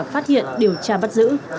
phát hiện điều tra bắt giữ